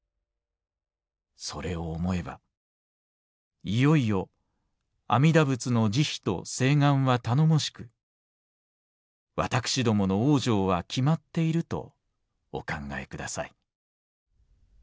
それを思えばいよいよ阿弥陀仏の慈悲と誓願は頼もしく私どもの往生は決まっているとお考え下さい」。